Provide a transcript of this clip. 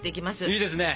いいですね。